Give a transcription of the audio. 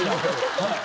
はい。